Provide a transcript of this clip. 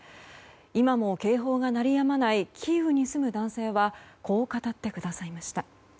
今も警報が鳴りやまないキーウに住む男性はこう語ってくださいました。